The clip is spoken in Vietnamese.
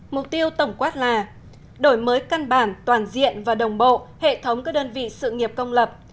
mục tiêu tổng quát là đổi mới căn bản toàn diện và đồng bộ hệ thống các đơn vị sự nghiệp công lập